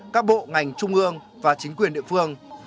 các bộ ngành trung ương và chính quyền địa phương